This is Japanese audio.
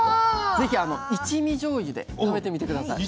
ぜひ一味じょうゆで食べてみて下さい。